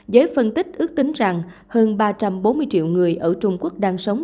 giới phân tích ước tính rằng hơn ba trăm bốn mươi triệu người ở trung quốc đang sống